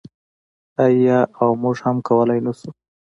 آیا او موږ هم کولی نشو؟